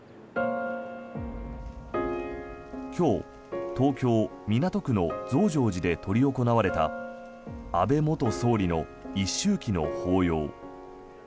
今日、東京・港区の増上寺で執り行われた安倍元総理の一周忌の法要。